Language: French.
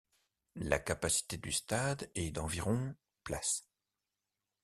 La capacité du stade est d'environ places.